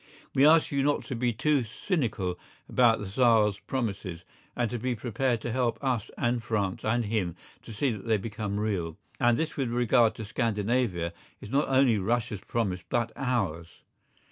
We ask you not to be too cynical about the Tsar's promises, and to be prepared to help us and France and him to see that they become real. And this with regard to Scandinavia, is not only Russia's promise but ours.